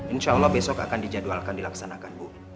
insya allah besok akan dijadwalkan dilaksanakan bu